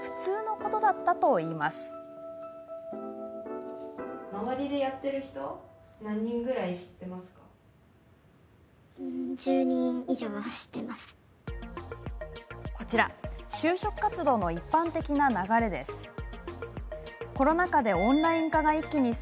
こちら、就職活動の一般的な流れです。